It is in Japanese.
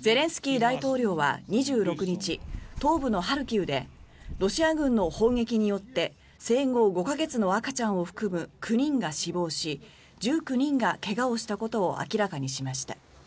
ゼレンスキー大統領は２６日東部のハルキウでロシア軍の砲撃によって生後５か月の赤ちゃんを含む９人が死亡し１９人が怪我をしたことを明らかにしました。